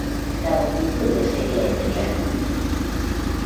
La multitud les seguía inmediatamente.